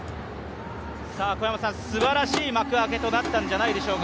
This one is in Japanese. すばらしい幕開けとなったんじゃないでしょうか？